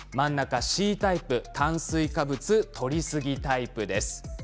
Ｃタイプ炭水化物とりすぎタイプです。